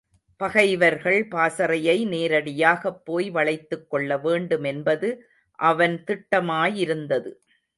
பகைவர்கள் பாசறையை நேரடியாகப் போய் வளைத்துக் கொள்ள வேண்டுமென்பது அவன் திட்டமாயிருந்தது.